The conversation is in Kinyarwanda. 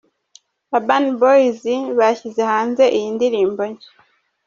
Urban Boys bashyize hanze iyi ndirimbo nshya.